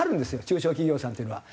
中小企業さんっていうのは。